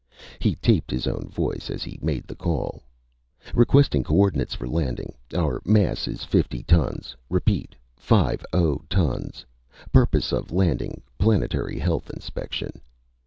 He taped his own voice as he made the call. "Requesting co ordinates for landing. Our mass is fifty tons. Repeat, five oh tons. Purpose of landing, planetary health inspection."